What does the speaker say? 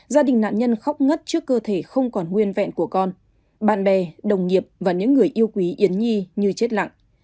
gia đình nạn nhân khóc ngất trước cơ thể không còn nguyên vẹn của con bạn bè đồng nghiệp và những người yêu quý yến nhi như chết lặng